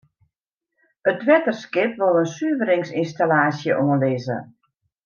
It wetterskip wol in suveringsynstallaasje oanlizze.